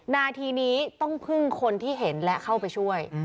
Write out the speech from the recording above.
นาทีนี้ต้องพึ่งคนที่เห็นและเข้าไปช่วย